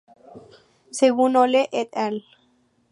Según Hole "et al".